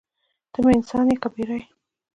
ته مې انسان یې که پیری.